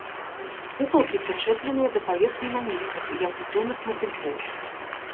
Кукалкі прычэпленыя да паверхні на нітках, як у дзённых матылькоў.